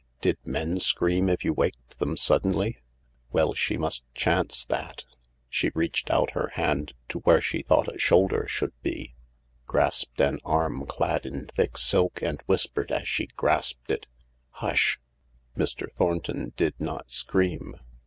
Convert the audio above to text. Did men scream if you waked them suddenly ? Well, she must chance that. She reached out her hand to where she thought a shoulder should be, grasped an arm clad in thick silk, and whispered as she grasped it, " Hush I " Mr. Thornton did not scream.